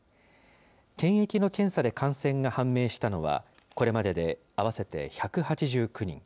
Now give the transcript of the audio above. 検疫の検査で感染が判明したのは、これまでで合わせて１８９人。